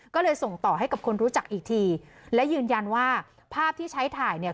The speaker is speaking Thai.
ก็เลยส่งต่อให้กับคนรู้จักอีกทีและยืนยันว่าภาพที่ใช้ถ่ายเนี่ย